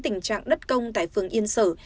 tình trạng đất công tại phường yên sở